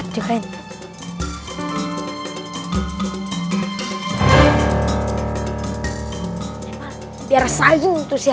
tolong walaupun lelah